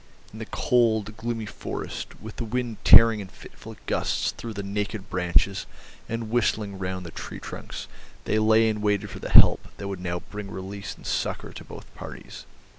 In the cold, gloomy forest, with the wind tearing in fitful gusts through the naked branches and whistling round the tree trunks, they lay and waited for the help that would now bring release and succour to both parties.